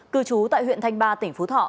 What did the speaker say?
cư trú tại huyện thanh ba tỉnh phú thọ